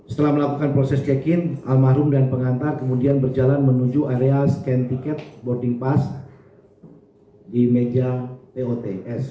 setelah melakukan proses check in almarhum dan pengantar kemudian berjalan menuju area scan tiket boarding pass di meja tots